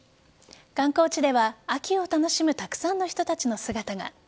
観光地では秋を楽しむたくさんの人たちの姿が。